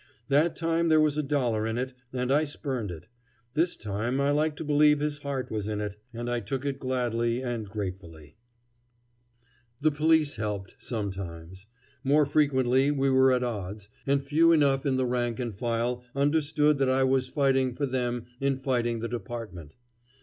That time there was a dollar in it and I spurned it. This time I like to believe his heart was in it. And I took it gladly and gratefully. The police helped sometimes. More frequently we were at odds, and few enough in the rank and file understood that I was fighting for them in fighting the department.